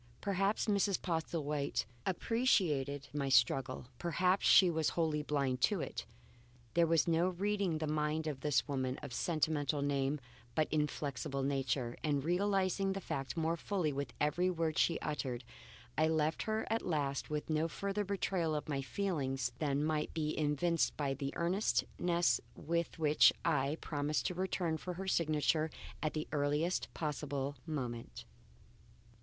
Perhaps Mrs. Postlethwaite appreciated my struggle; perhaps she was wholly blind to it. There was no reading the mind of this woman of sentimental name but inflexible nature, and realizing the fact more fully with every word she uttered I left her at last with no further betrayal of my feelings than might be evinced by the earnestness with which I promised to return for her signature at the earliest possible moment.